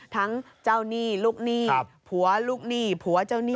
ทั้งเจ้านี่ลูกนี่ผัวลูกนี่ผัวเจ้านี่